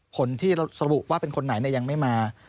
ผลที่เราสรุปว่าเป็นคนไหนยังไม่มา